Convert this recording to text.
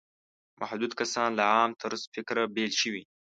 محدود کسان له عام طرز فکره بېل شوي.